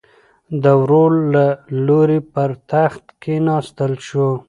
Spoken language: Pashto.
د ورور له لوري پر تخت کېناستل شو.